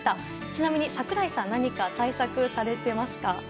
ちなみに櫻井さん何か対策してますか？